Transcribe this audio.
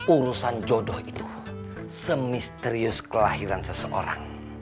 urusan jodoh itu semisterius kelahiran seseorang